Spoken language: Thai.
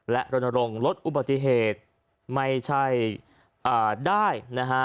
และรณรงค์ลดอุบัติเหตุไม่ใช่ได้นะฮะ